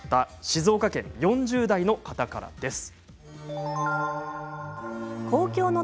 静岡県４０代の方からです。